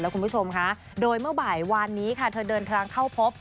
คุณผู้ชมค่ะโดยเมื่อบ่ายวานนี้ค่ะเธอเดินทางเข้าพบ